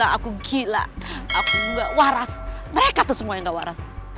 aku nggak waras mereka tuh semua yang nggak waras